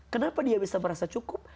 kenapa dia bisa merasa cukup